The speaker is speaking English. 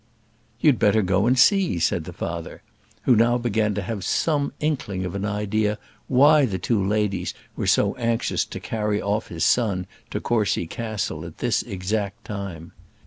"You'd better go and see," said the father, who now began to have some inkling of an idea why the two ladies were so anxious to carry his son off to Courcy Castle at this exact time.